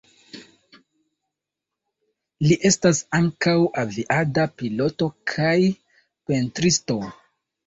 Li estas ankaŭ aviada piloto kaj pentristo.